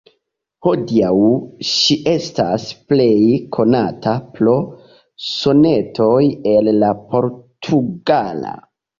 Hodiaŭ ŝi estas plej konata pro "Sonetoj el la Portugala".